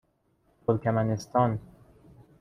ترکمنستان